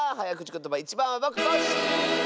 ことばいちばんはぼくコッシー！